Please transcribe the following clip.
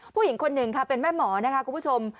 ผู้หญิงคนหนึ่งค่ะเป็นแม่หมอนะคะคุณผู้ชม